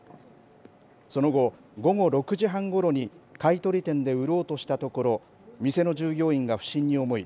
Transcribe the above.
その後、午後６時半ごろに買取店で売ろうとしたところ店の従業員が不審に思い